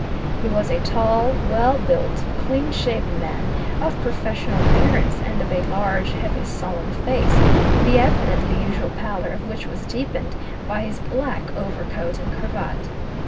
He was a tall, well built, clean shaven man, of professional appearance and of a large, heavy, solemn face the evidently usual pallor of which was deepened by his black overcoat and cravat.